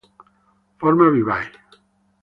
Forma vivai.